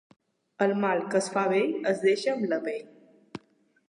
El mal que es fa vell es deixa amb la pell.